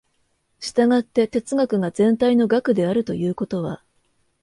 従って哲学が全体の学であるということは、